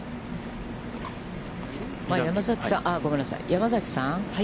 山崎さん。